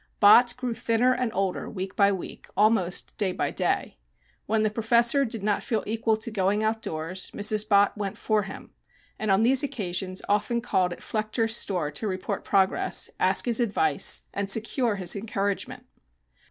Bott grew thinner and older week by week, almost day by day. When the professor did not feel equal to going outdoors Mrs. Bott went for him, and on these occasions often called at Flechter's store to report progress, ask his advice and secure his encouragement.